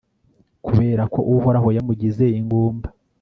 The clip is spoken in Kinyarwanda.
kubera ko uhoraho yamugize ingumba